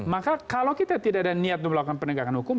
maka kalau kita tidak ada niat untuk melakukan penegakan hukum